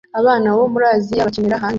Abana bo muri Aziya bakinira hanze